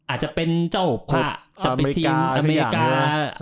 อาจจะเป็นเจ้ากระบเป็นเทียบอเมริกา